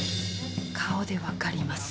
顔でわかります。